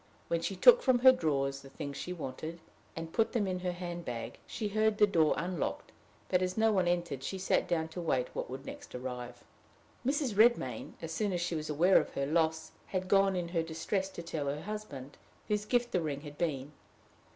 While she took from her drawers the things she wanted, and put them in her hand bag, she heard the door unlocked, but, as no one entered, she sat down to wait what would next arrive. Mrs. Redmain, as soon as she was aware of her loss, had gone in her distress to tell her husband, whose gift the ring had been.